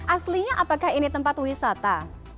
aslinya apakah ini tempat wisata